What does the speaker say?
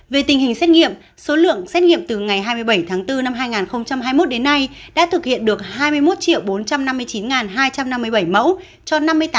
về tình hình xét nghiệm số lượng xét nghiệm từ ngày hai mươi bảy tháng bốn năm hai nghìn hai mươi một đến nay đã thực hiện được hai mươi một bốn trăm năm mươi chín hai trăm năm mươi bảy mẫu cho năm mươi tám bảy trăm chín mươi hai hai trăm tám mươi ba lượt người